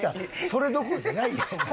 それどころじゃないやんもう。